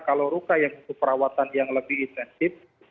kalau luka yang untuk perawatan yang lebih intensif